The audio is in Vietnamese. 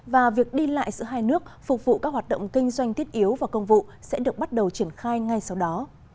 và việc đi lại giữa hai nước phục vụ các hoạt động kinh doanh thiết yếu và công vụ sẽ được bắt đầu triển khai ngay sau đó